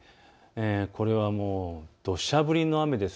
これはもう、どしゃ降りの雨です。